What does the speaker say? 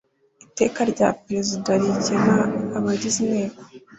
Iteka rya perezida rigena abagize inteko